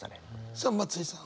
さあ松居さん。